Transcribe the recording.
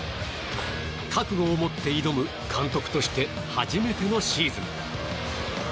覚悟を持って挑む監督として初めてのシーズン。